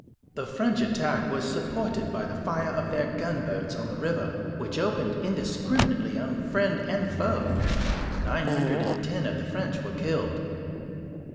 The French attack was supported by the fire of their gunboats on the river, which opened indiscriminately on friend and foe. Nine hundred and ten of the French were killed."